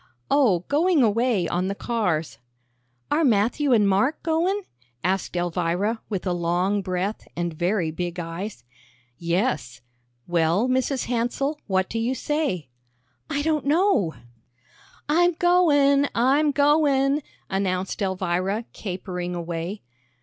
"Oh, going away on the cars." "Are Matthew and Mark goin'?" asked Elvira, with a long breath, and very big eyes. "Yes. Well, Mrs. Hansell, what do you say?" "I don't know." "I'm goin'; I'm goin'," announced Elvira, capering away.